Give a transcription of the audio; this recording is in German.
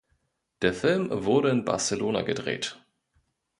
Der Film wurde in Barcelona gedreht.